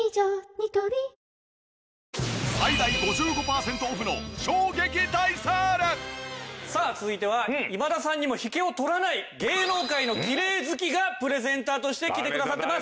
ニトリさあ続いては今田さんにも引けを取らない芸能界のきれい好きがプレゼンターとして来てくださってます。